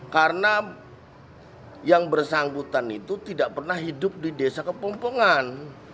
karena yang bersangkutan itu tidak pernah hidup di desa kepongpongan